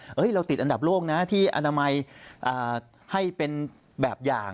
เราติดอันดับโลกนะที่อนามัยให้เป็นแบบอย่าง